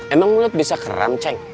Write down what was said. emang mulut bisa keram ceh